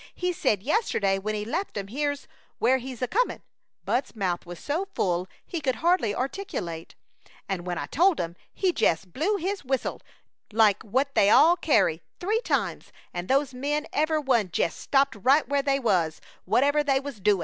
He said yesterday when he left 'em here's where he's a comin'" Bud's mouth was so full he could hardly articulate "an' when I told 'em, he jest blew his little whistle like what they all carry three times, and those men every one jest stopped right where they was, whatever they was doin'.